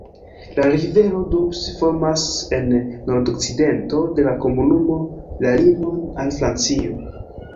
La rivero Doubs formas en nordokcidento de la komunumo la limon al Francio.